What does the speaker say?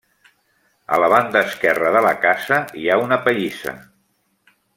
A la banda esquerra de la casa hi ha una pallissa.